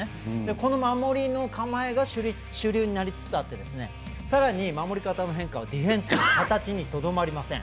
この守りの構えが主流になりつつあってさらに守り方の変化はディフェンスの形にとどまりません。